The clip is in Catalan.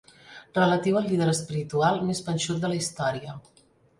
Relatiu al líder espiritual més panxut de la història.